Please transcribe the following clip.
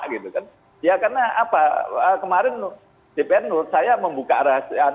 ya karena kemarin dpr menurut saya membuka rahasia